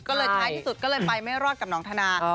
ก็เลยท้ายที่สุดก็เลยไปไม่รอดกับน้องธนา